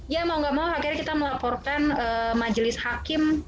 ya mau gak mau akhirnya kita melaporkan majelis hakim ke bawah sma dan ky